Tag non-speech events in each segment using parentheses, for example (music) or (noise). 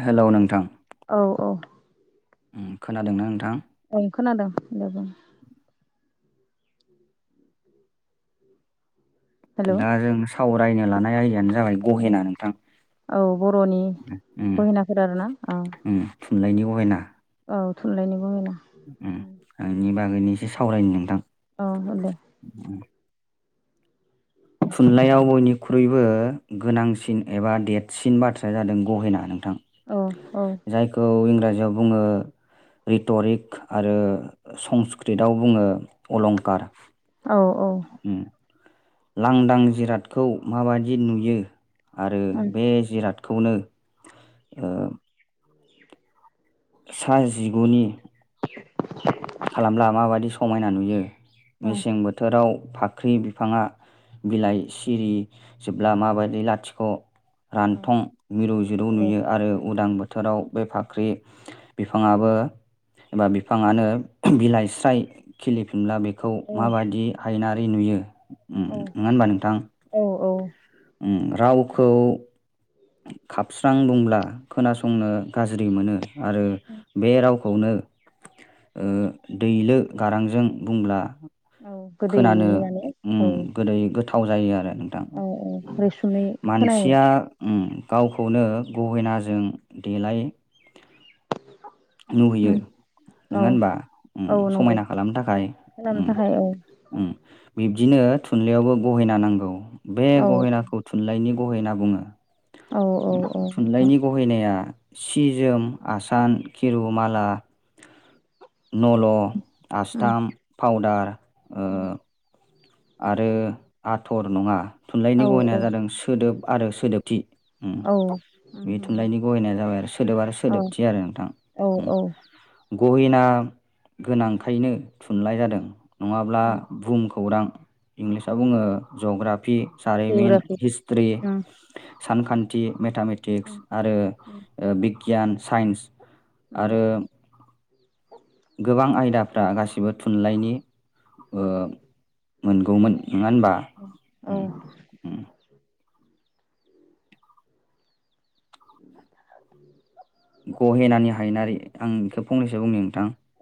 Hello नोंथां औ औ खोनादोंना नोंथां? औ खोनादों लोगो हेलौ दा जों सावरायनो लानाय आयदायानो जाबाय गहेना नोंथां औ बर'नि उम गहेनाफोर आरोना औ उम। थुनलायनि गहेना औ थुनलायनि गहेना ओ बेनि बागैनो एसे सावरायनो नोंथां। औ दे। थुनलाइयाव बयनिख्रुइबो गोनांसिन एबा देरसिन बाथ्राया जादों गहेना नों- थां औ औ जायखौ इंराजि याव बुङो रिटरिक आरो संस्कृतआव बुङो अलंखार औ औ ओं लांदां जिरादखौ माबायदि नुयो आरो ओं बे जिरादखौ खौनो सा जिगुनि खालामब्ला माबादि समायना नुयो औ मेसें बोथोराव फाख्रि बिफाङा बिलाइ सिरि जोबब्ला माबायदि लाथिख' औ रान्थं मिरौ जिरौ औ नुयो आरो उदां बोथोराव बे फा ख्रि बिफांआबो एबा बिफाङानो बिलाइ स्राय खिलिफिनब्ला बेखौ माबादि हायनारि नुयो? नङा होनबा नोंथां औ उम रावखौ खाबस्रां बुंब्ला खोनासंनो गाज्रि मोनो आरो बे राव खौनो दैलो गारांजों बुंब्ला औ खोनानो गोदैयो माने उम औ गोदै गोथाव जायो आरो। नोंथां औ औ रैसुमै खोनायो मानसिया उम गावखौनो गहेनाजों देलाय नुहैयो उम औ नङा होनबा उम औ नंगौ समायना खालामनो थाखाय खालामनो उम थाखाय औ उम बिदिनो थुनलाइयावबो गहेना नांगौ बे औ गहेनाखौ थुनलाइनि गहेना बुङो। औ औ औ नोंथां थुनलाइनि गहायनाया सि जोम आसान खिर' माला नल' उम आसस्थाम पावदार ओ उम आरो आथर नङा थुनलाइनि औ गनाया जादों सोदोब आरो सोदोबथि उम औ उम बे उम थुनलाइनि गहायनाया जाबाय आरो सोदोब आरो औ सोदोबथि आरो नोंथां औ उम औ गहिना गोनांखायनो थुनलाइ जादों नङाब्ला उम बुहुम खौरां इंलिसाव बुङो जग्राफि जारिमिन जिअ'ग्राफि हिस्ट्रि उम सानखान्थि मेथामेटिक्स आरो उम ओ- बिगियान साइन्स आरो उम गोबां आयदाफ्रा गासिबो थुनलाइनि ओ- मोनगौमोन नङा होनबा औ उम उम (unintelligible) गहेनानि हायनारि आं बेखौ फंनैसो बुंनि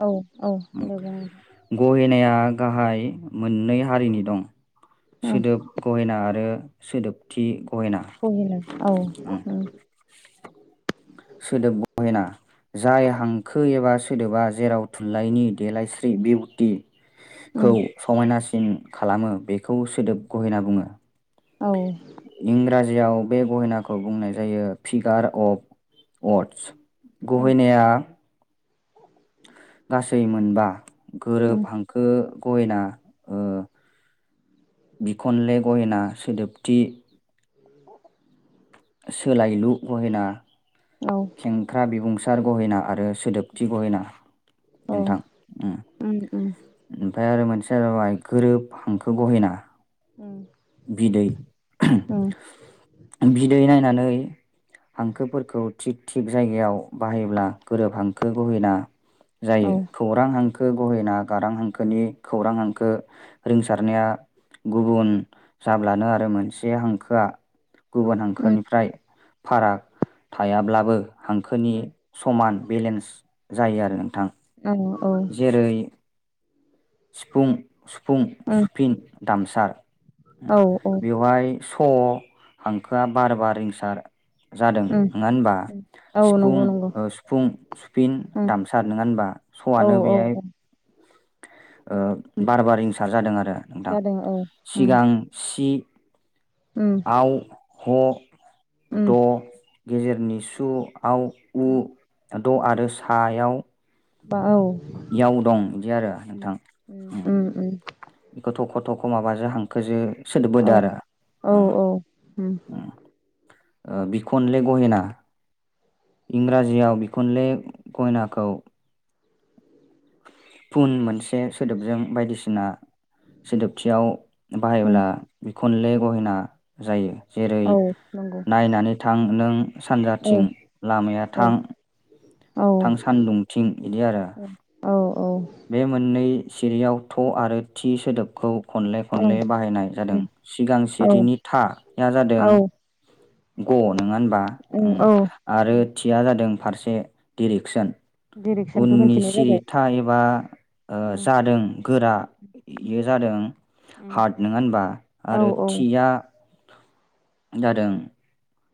औ औ दे बुं नोंथां। गहेनाया दा गाहाय मोननै हारिनि दं उम सोदोब गहेना आरो सोदोबथि गहेना बहला औ उम सोदोब गहेना जाय हांखो एबा सोदोबा जेराव थुनलाइनि देलायस्रि बिउटि खौ उम समायनासिन खालामो बेखौ सोदोब गहेना बुङो औ इंराजियाव बे गहेनाखौ बुंनाय जायो फिगार अफ अर्टस उम गहेनाया गासै मोनबा गोरोब उम हांखो गहेना ओ बिखनले गहेना सोदोबथि (unintelligible) सोलायलु गहेना औ खेंख्रा बिबुंसार गहेना आरो सोदोबथि गहेना औ नोंथां उम ओमफ्राय आरो मोनसे जाबाय गोरोब हांखो गहेना उम बिदै- औ उम बिदै नायनानै हांखोफोरखौ थिग थिग जायगायाव बाहायोब्ला गोरोबहांखो गहेना औ जायो खौरां हांखो गहेना गारां हांखोनि खौरां हांखो रिंसारनाया गुबुन जाब्लानो आरो मोनसे हांखोआ गुबुन उम हांखोनिफ्राय फाराग थायाब्लाबो हांखोनि समान बेलेन्स जायो आरो नोंथां औ औ जेरै सिफुं सुफुं सुफिन दामसार औ बेवहाय स' हांखोआ बार बार रिंसार जादों उम नङा होनबा औ सिफुं नंगौ नंगौ ओ- सुफुं सुफिन उम दामसार नङा होनबा औ स'आनो औ बेहाय औ ओ- बार बार रिंसार जादों आरो नोंथां जादों औ उम सिगां सि उम आव ह उम द' गेजेरनि सु हाव उ द' आरो सायाव बा औ इयाव दं बिदि आरो उम नोंथां ओम उम उम गोथ'खौथ'खौ माबाजों हांखोजो सोदोबबोदो औ आरो औ ओम औ उम ओम ओ बिखनले गहेना इंराजियाव बिखुनले गहेनाखौ फुन मोनसे सोदोबजों बायदिसिना सोदोबथियाव उम बाहायोब्ला बिखनले गहेना जायो जेरै औ नंगौ नायनानै थां नों सानजाथिं औ लामाया औ थां औ थां सान्दुंथिं बिदि आरो औ औ ओं बे मोननै सिरियाव थ' आरो थि सोदोबखौ खनले खनले बाहायनाय जादों उम सिगां औ सिरिनि थाया जादों औ ग नंङा होनबा उम ओं औ आरो थिया जादों फारसे डिरेक्सन। डिरेक्सनखौ उननि खोन्थिनाय जाबाय सिरिथा एबा ओ उम जादों गोरा एयो जादों हार्ट नङा होनबा औ आरो औ थिया जादों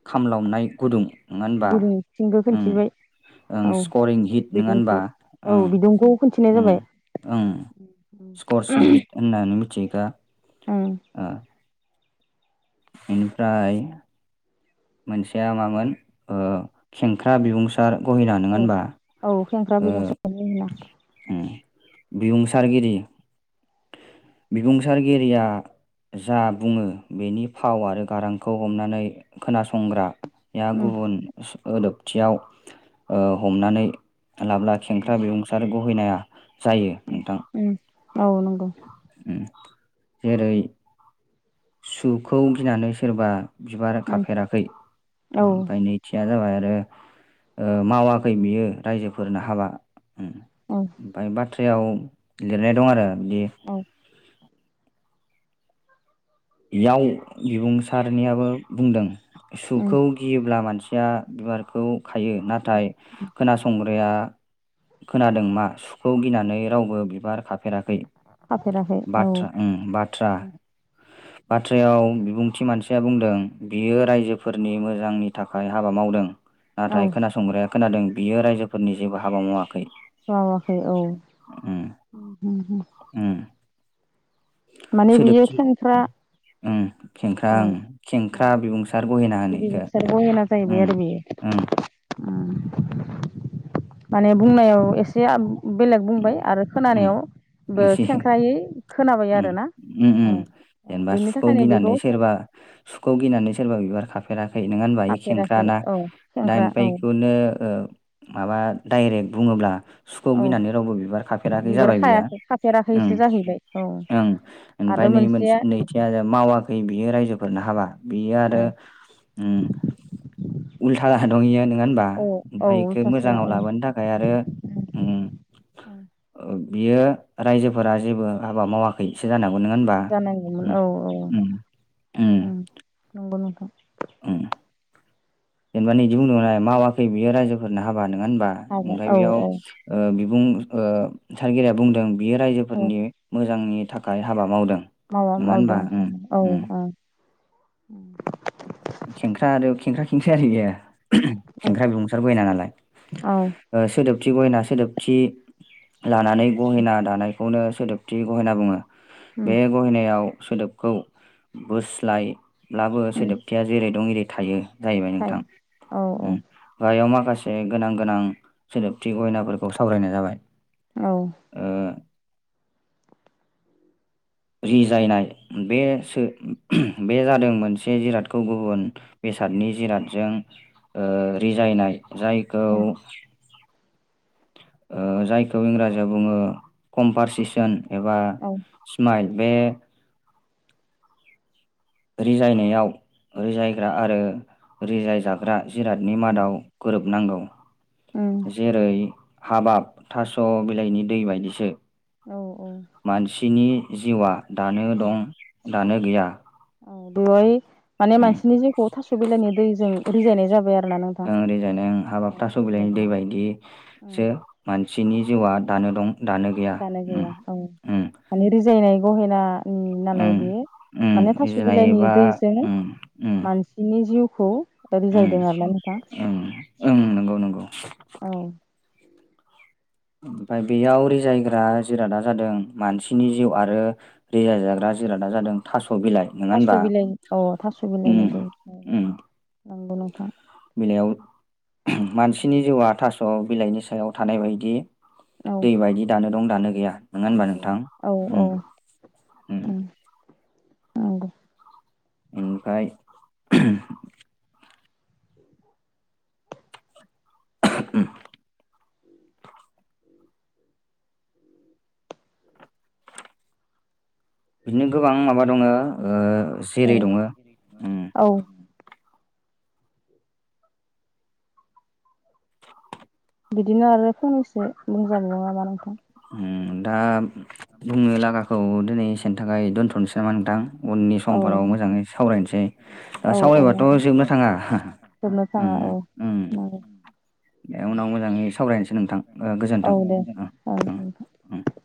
खामलावनाय गुदुं। नंङा होनबा? गुदुंथिंबो ओं खोन्थिबाय ओं औ स्क'रिं हिट नंङा होनबा बिदुंखौ औ ओं बिदुंखौ खोन्थिनाय ओं जाबाय ओं। स्क'र सिंहित होननानै मिथियोखा उम ओ इनिफ्राय मोनसेया मामोन ओ खेंख्रा बिबुंसार गहिला नंङा औ होनबा औ खेंख्रा ओ बिदुं सारनाय होना उम बिबुंसारगिरि बिबुंसारगिरिया जा बुंङो बेनि फाव आरो गारांखौ हमनानै खोनासंग्रा या उम गुबुन सोदोबथियाव ओ हमनानै लाब्ला खेंख्रा बिबुंसार गहैनाया जायो उम नोंथां उम औ नंगौ उम जेरै सुखौ गिनानै सोरबा बिबारा उम खाफेराखै औ ओमफाय नैथिया जाबाय आरो ओ मावाखै बियो रायजोफोरनो हाबा उम औ ओमफाय बा बेयाव लिरनाय दं आरो बिदि औ। बेयाव बिबुंसारनियाबो बुंदों उम सुखौ गियोब्ला मान खोथिया दुवारखौ खायो नाथाय खोनासंग्राया खोनादों मा सुखौ गिनानै रावबो बिबार खाफेराखै। खाफेराखै औ बाथ्रा उम बाथ्रा। बाथ्रायाव बिबुंथि मानसिया बुंदों बियो रायजोफोरनि मोजांनि थाखाय हाबा मावदों। औ नाथाय खोनासंग्राया खोनादों बियो रायजोफोरनि जेबो हाबा मावाखै। मावाखै औ ओम उम उम। ओम माने बियो खेंख्रा ओं। खेंख्रा औ ओं खेंख्रा औ बिबुंसार गहेना होनो बिदिनो एखो बिसोर ओं ओं। उम माने बुंनायाव एसे बेलेग बुंबाय ओम आरो ओम खोनानायावबो एसे खेंख्रायै खोनाबाय उम आरोना। उम औ उम जेनेबा बेनि सुखौ थाखायनो बेखौ गिनानै सोरबा सुखौ गिनानै सोरबा बिबार खा यो नोंङा होनबा बे खाफेराखै खेंख्राना औ दा खेंख्रा ओमफ्राय औ बेखौनो ओ माबा डाइरेक्ट बुंङोब्ला सुखौ औ गिनानै रावबो बिबार खाफेराखै बिबार जाबाय बियो खायाखै ओं। खाफेराखैसो जाहैबाय औ ओं ओमफाय आरो नै मोनसे मोनसेया नैथिया मावाखै बियो रायजोफोरनो हाबा बियो औ आरो उम। उल्था दंयो नोङा होनबा औ औ ओमफाय बेखौ उल्थासो मोजाङाव ओं लाबोनो थाखाय आरो उम। ओं ओ बियो रायजोफोरा जेबो हाबा मावाखैसो जानांगौ। औ नंङा होनबा? जानांगौमोन उम औ औ उम उम। ओं नंगौ नोंथां ओं जेनेबा नैदि बुंदोंमोन मावाखै बियो रायजोफोरनो हाबा नंङा होनबा? हाबाय ओमफाय औ बेयाव औ ओ बिबुं ओ सारगिरिया बुंदों बियो औ रायजोफोरनि मोजांनि थाखाय हाबा मावदों। मावा नङा होनबा मावदों उम औ उम ओं। खेंख्रा आरो खेंख्रा खेंख्रि आरो एयो। (unintelligible) खेंख्रा बिबुंसार गयना नालाय औ ओ सोदोबथि गयना सोदोबथि लानानै गहेना दानायखौनो सोदोबथि गहेना बुंङो उम बे गहेनायाव सोदोबखौ बोस्लायब्लाबो उम सोदोबथिया जेरै दं एरै थायो। जाहैबाय नोंथां थायो ओम औ गाहायाव माखासे माखासे गोनां गोनां सोदोबथि गहेनाफोरखौ सावरायनाय जाबाय। औ ओ रिजायनाय बे सो बे जादों मोनसे जिरादखौ गुबुन बे बेसादनि जिरादजों ओ रिजायनाय जायखौ औ ओ जायखौ इंराजिया बुङो कम्पारसिसन एबा औ सिमाइल। बे रिजायनायाव रिजायग्रा आरो रिजाय जाग्रा जिरादनि मादाव गोरोबनांगौ। उम जेरै हाबाब थास' बिलाइनि दै बायदिसो। औ औ। सिनि जिउआ दानो दं दानो गैया। औ बेवहाय माने उम मानसिनि जिउखौ थास' बिलानि दैजों रिजायनाय जाबाय आरो ना नोंथां। रिजायनाय ओं हाबाब थास'बिलानि दैबायदिसो मानसिनि जिउआ दानो दं गैया दानो उम गैया औ। उम माने रिजायनाय गहेना नालाय उम बे उम माने थास' बिलाइनि रिजायनायबा दैजों उम उम मानसिनि जिउ खौ उम रिजायदों आरोना नोंथां। उम ओम ओं नंगौ नंगौ औ। ओमफाय बेयाव रिजायग्रा जिरादा जादों मानसिनि जिउ आरो रिजाय जाग्रा जिरादा जादों थास' बिलाइ नङा थास' होनबा बिलाइ औ थास' उम बिलाइनि दै औ। उम नंगौ नोंथां। बिलाइयाव मानसिनि जिउआ थास' बिलाइनि सायाव थानाय बायदि औ दै बायदि दानो दं दानो गैया नङा जानो होनोमबा नोंथां? गैया औ ओम। नोंगौ। ओमफाय उम बिदिनो गोबां माबा दङ ओ जेरै दङ ओं औ बिदिनो आरो फंनैसो बुंजागोन नामा नोंथां? ओम दा बुंनो लागाखौ दिनै एसेनि थाखाय दोनथ' नसै नामा नोंथां उननि औ समफोराव मोजाङै सावरायनोसै औ सावरायबाथ' जोबनो नोंथां थाङा। जोबनो थाङा औ नंगौ। दे उनाव मोजाङै सावरायनसै नोंथां। ओ औ गोजोन्थों दे उम जागोन उम उम नोंथां।